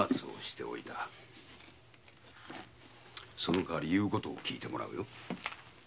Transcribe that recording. そのかわり言うことを聞いてもらうよ。